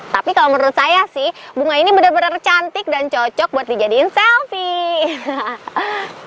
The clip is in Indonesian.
tapi kalau menurut saya sih bunga ini benar benar cantik dan cocok buat dijadiin selfie